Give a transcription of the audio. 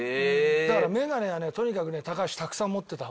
だから眼鏡はねとにかくね高橋たくさん持ってた方がいい。